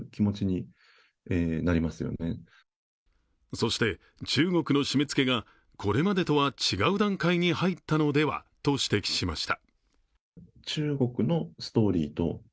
そして、中国の締め付けがこれまでとは違う段階に入ったのではと指摘しました。